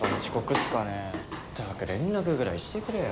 ったく連絡ぐらいしてくれよ。